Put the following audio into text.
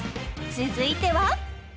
続いては？